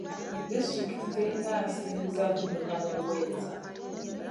Disitulikiti terina nsimbi za kuddukanya buweereza.